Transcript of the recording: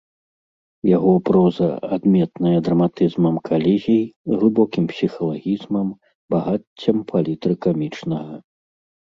Яго проза адметная драматызмам калізій, глыбокім псіхалагізмам, багаццем палітры камічнага.